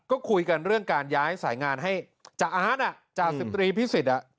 ก็คุยกันเรื่องการย้ายสายงานให้จ่าอาร์ตจ่าสิบตรีพิสิทธิ์